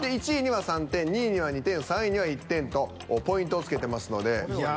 １位には３点２位には２点３位には１点とポイントをつけてますので。